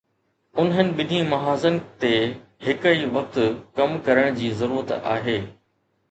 انهن ٻنهي محاذن تي هڪ ئي وقت ڪم ڪرڻ جي ضرورت آهي.